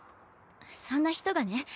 そんな人がね